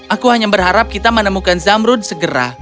aku hanya berharap kita menemukan zamrud segera